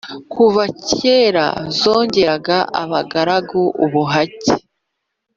kuva kera zongeraga abagaragu (ubuhake)